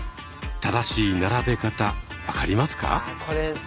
正しい並べ方分かりますか？